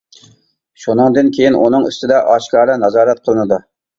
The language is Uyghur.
شۇنىڭدىن كېيىن، ئۇنىڭ ئۈستىدە ئاشكارا نازارەت قىلىنىدۇ.